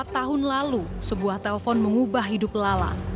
empat tahun lalu sebuah telpon mengubah hidup lala